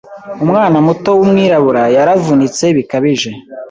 Umwana muto wumwirabura yaravunitse bikabije